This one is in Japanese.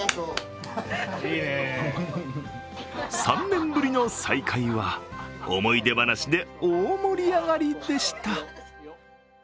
３年ぶりの再会は思い出話で大盛り上がりでした。